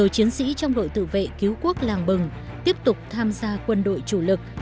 chiến sĩ trong đội tự vệ cứu quốc làng bừng tiếp tục tham gia quân đội chủ lực